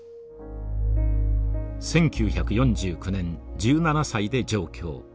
１９４９年１７歳で上京。